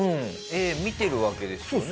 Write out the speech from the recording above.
絵見てるわけですよね。